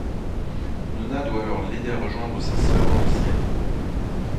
Nona doit alors l'aider à rejoindre ses sœurs dans le ciel...